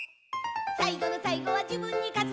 「さいごのさいごはじぶんにかつのだ」